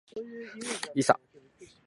いさ